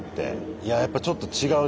いややっぱちょっと違うね。